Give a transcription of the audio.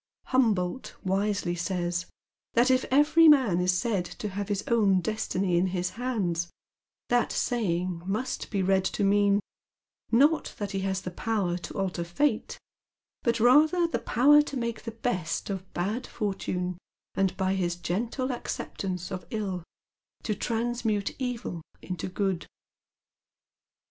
Humboldt wisely says that if every man is said to have his own destiny in his haiids, that saying must be read to mean, not that he has the power to alter fate, but rather the power to make the best of bad fortune, and by his gentle acceptance of ill to trans mute evil into good.